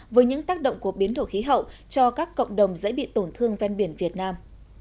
với những tác động của biến đổi khí hậu cho các cộng đồng dễ bị tổn thương ven biển việt nam